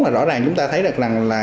là rõ ràng chúng ta thấy rằng là